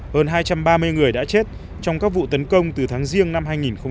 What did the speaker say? hơn hai trăm ba mươi người đã chết trong các vụ tấn công từ tháng riêng năm hai nghìn một mươi tám